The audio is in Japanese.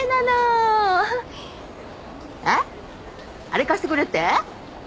あれ貸してくれって？